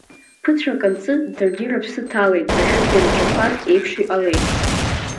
Ԥыҭрак анҵы, даргьы рыԥсы ҭалеит, ажәытә ианҿақәаз еиԥш иҟалеит.